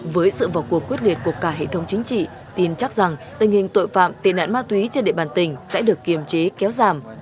với sự vào cuộc quyết liệt của cả hệ thống chính trị tin chắc rằng tình hình tội phạm tiền nạn ma túy trên địa bàn tỉnh sẽ được kiềm chế kéo giảm